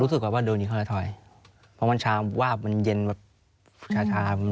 รู้สึกว่าโดนยิงเข้าไทยทอยเพราะมันชาวาบมันเย็นแบบชา